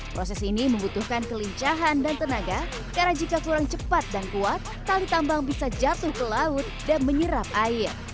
proses ini membutuhkan kelincahan dan tenaga karena jika kurang cepat dan kuat tali tambang bisa jatuh ke laut dan menyerap air